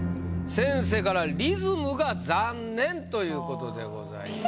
先生から「リズムが残念」ということでございます。